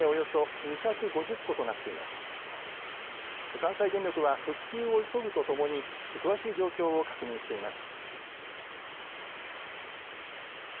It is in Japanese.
関西電力は復旧を急ぐとともに詳しい状況を確認しています。